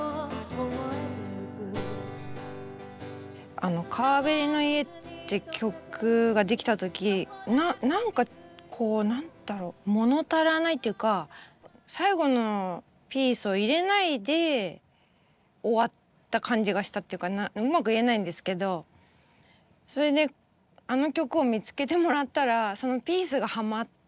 あの「川べりの家」って曲が出来た時何かこう何だろう物足らないっていうか最後のピースを入れないで終わった感じがしたっていうかうまく言えないんですけどそれであの曲を見つけてもらったらそのピースがハマって。